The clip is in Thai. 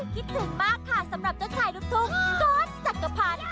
คิดถึงมากค่ะสำหรับเจ้าชายลูกทุ่งก๊อตจักรพันธ์